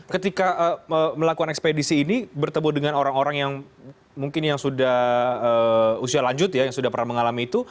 ketika melakukan ekspedisi ini bertemu dengan orang orang yang mungkin yang sudah usia lanjut ya yang sudah pernah mengalami itu